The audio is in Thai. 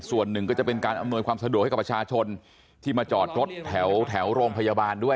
ส่วนหนึ่งก็จะเป็นการอำนวยความสะดวกให้กับประชาชนที่มาจอดรถแถวโรงพยาบาลด้วย